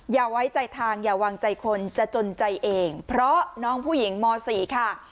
อย่าไว้ใจทางอย่าวางใจคนจะจนใจเองเพราะน้องผู้หญิงม๔ค่ะ